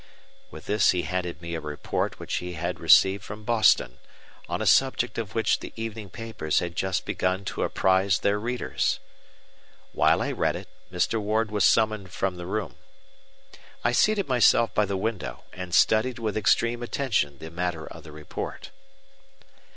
With this he handed me a report which he had received from Boston, on a subject of which the evening papers had just begun to apprise their readers. While I read it, Mr. Ward was summoned from the room. I seated myself by the window and studied with extreme attention the matter of the report.